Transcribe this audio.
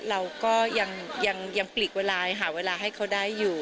เราก็ยังปลีกเวลาหาเวลาให้เขาได้อยู่